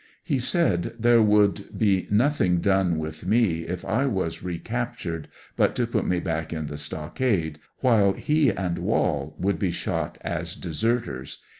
He said there would be nothing done with me, if I was recaptured but to put me back in the stockade, while he and Wall would be shot as deserters.